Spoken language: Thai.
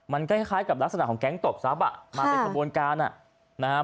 มันคล้ายกับลักษณะของแก๊งตบทรัพย์มาเป็นขบวนการอ่ะนะฮะ